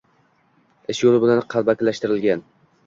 Ish yoʻli bilan qalbakilashtirilgan